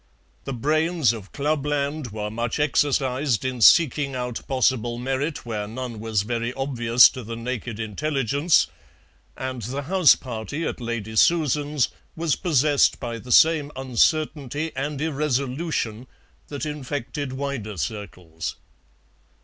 The brains of clubland were much exercised in seeking out possible merit where none was very obvious to the naked intelligence, and the house party at Lady Susan's was possessed by the same uncertainty and irresolution that infected wider circles.